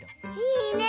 いいね！